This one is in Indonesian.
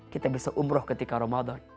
kita bisa umroh ketika ramadan